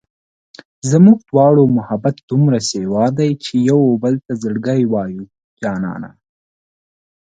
زموږ دواړو محبت دومره سېوا دی چې و يوبل ته زړګی وایو جانانه